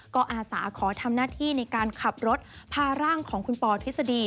ก็อาสาขอทำหน้าที่ในการขับรถพาร่างของคุณปอทฤษฎี